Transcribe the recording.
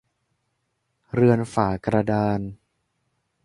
เรือนฝากระดาน